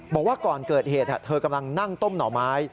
บอกว่าก่อนเกิดเหตุเธอกำลังนั่งต้มหน่อไม้